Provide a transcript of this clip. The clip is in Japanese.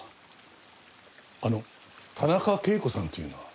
あの田中啓子さんというのは？